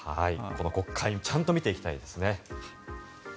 国会でちゃんと見ていきたいですね。